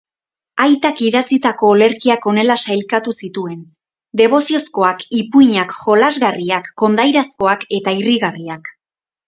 Aitak idatzitako olerkiak honela sailkatu zituen: deboziozkoak, ipuinak, jolasgarriak, kondairazkoak eta irrigarriak.